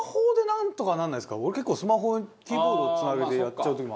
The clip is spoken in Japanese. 俺結構スマホキーボードつなげてやっちゃう時も。